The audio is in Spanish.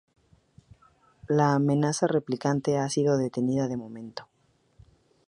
La amenaza Replicante ha sido detenida de momento.